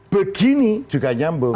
begini juga nyambung